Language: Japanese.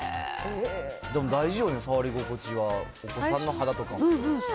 でも大事よね、触り心地は、お子さんの肌とかも。